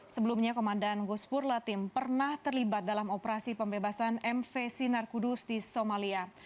sebelumnya komandan guspur latim pernah terlibat dalam operasi pembebasan mv sinar kudus di somalia